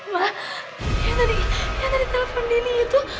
ma yang tadi yang tadi telepon dini itu